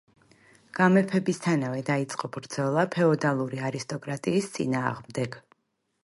გამეფებისთანავე დაიწყო ბრძოლა ფეოდალური არისტოკრატიის წინააღმდეგ.